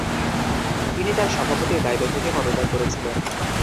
তিনি তার সভাপতির দায়িত্ব থেকে পদত্যাগ করেছিলেন।